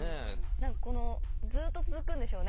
何かこのずっと続くんでしょうね